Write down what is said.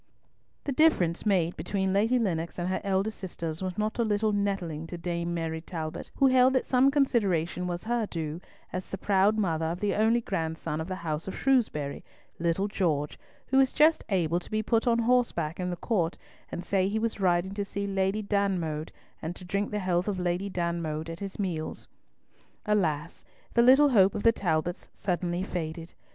The difference made between Lady Lennox and her elder sisters was not a little nettling to Dame Mary Talbot, who held that some consideration was her due, as the proud mother of the only grandson of the house of Shrewsbury, little George, who was just able to be put on horseback in the court, and say he was riding to see "Lady Danmode," and to drink the health of "Lady Danmode" at his meals. Alas! the little hope of the Talbots suddenly faded.